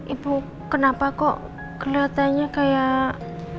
ibu kenapa kok kelihatannya kayak